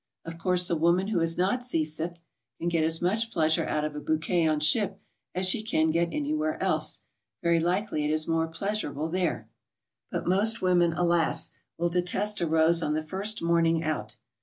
Of course the woman who is not sea sick can get as much pleasure out of a bouquet on ship as she can anywhere else; very likely it is more pleasurable there. But most women, alas! will detest a rose on the first morning out.